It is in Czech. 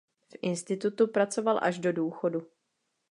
V institutu pracoval až do důchodu.